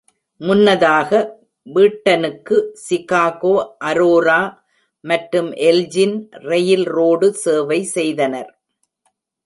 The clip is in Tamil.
முன்னதாக, வீட்டனுக்கு சிகாகோ அரோரா மற்றும் எல்ஜின் ரெயில்ரோடு சேவை செய்தனர்.